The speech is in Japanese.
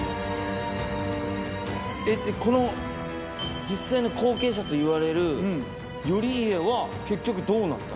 この実際の後継者といわれる頼家は結局どうなった。